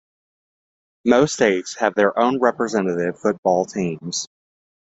Most states have their own representative football teams.